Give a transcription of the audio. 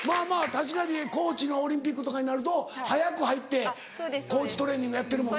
確かに高地のオリンピックとかになると早く入って高地トレーニングやってるもんね。